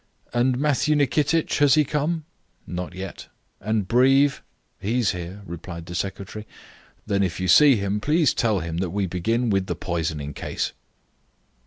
"And Matthew Nikitich; has he come?" "Not yet." "And Breve?" "He is here," replied the secretary. "Then if you see him, please tell him that we begin with the poisoning case."